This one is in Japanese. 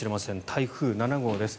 台風７号です。